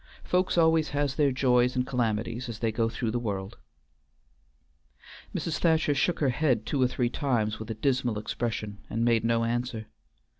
Folks always has their joys and calamities as they go through the world." Mrs. Thacher shook her head two or three times with a dismal expression, and made no answer.